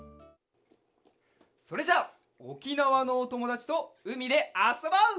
それじゃあおきなわのおともだちとうみであそぼう！